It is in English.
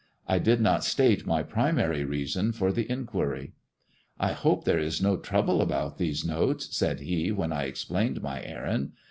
I did aot state my primary reason for the inquiry. "I hope there is no trouble about these notes," said he, yi'hen I explained my errand.